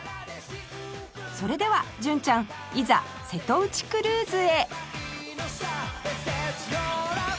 それでは純ちゃんいざ瀬戸内クルーズへ